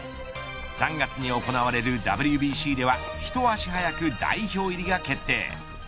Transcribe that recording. ３月に行われるＷＢＣではひと足早く、代表入りが決定。